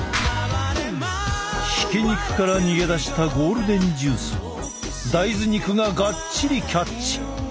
ひき肉から逃げ出したゴールデンジュースを大豆肉がガッチリキャッチ！